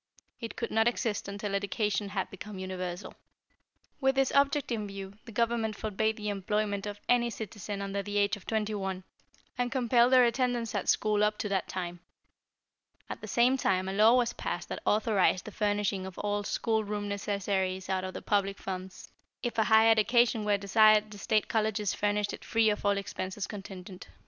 It could not exist until education had become universal. "With this object in view, the Government forbade the employment of any citizen under the age of twenty one, and compelled their attendance at school up to that time. At the same time a law was passed that authorized the furnishing of all school room necessaries out of the public funds. If a higher education were desired the State Colleges furnished it free of all expenses contingent.